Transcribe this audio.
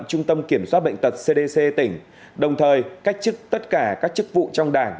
trung tâm kiểm soát bệnh tật cdc tỉnh đồng thời cách chức tất cả các chức vụ trong đảng